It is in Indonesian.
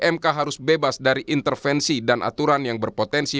mk harus bebas dari intervensi dan aturan yang berpotensi